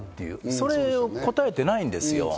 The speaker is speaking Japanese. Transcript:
それに応えてないんですよ。